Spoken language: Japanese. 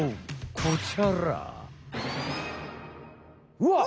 うわっ！